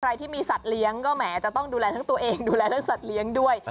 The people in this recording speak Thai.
ใครที่มีสัตว์เลี้ยงก็แหมจะต้องดูแลทั้งตัวเองดูแลทั้งสัตว์เลี้ยงด้วย